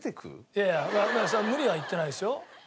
いやいやそれは無理は言ってないですよ。